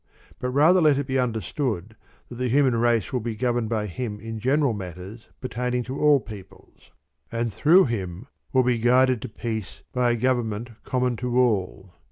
But rather let it be understood that the human race will be governed by him in general matters pertaining to all peoples, and through him will be guided to peace by a gov ernment common to all.